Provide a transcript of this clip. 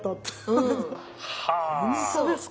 本当ですか？